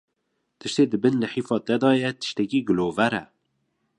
tiştê di bin lihêfa te de ye tiştekî gilover e